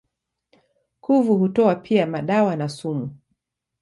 Kuvu hutoa pia madawa na sumu.